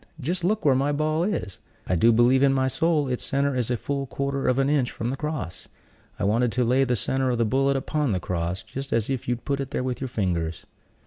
Just look where my ball is! I do believe in my soul its center is a full quarter of an inch from the cross. I wanted to lay the center of the bullet upon the cross, just as if you'd put it there with your fingers."